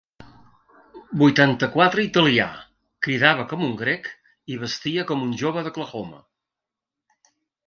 Vuitanta-quatre italià, cridava com un grec i vestia com un jove d'Oklahoma.